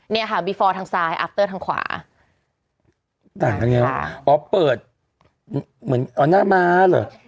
เนี้ยค่ะทางซ้ายทางขวาต่างกันไงอ่าป๊อปเปิดเหมือนเอาหน้าม้าเหรอ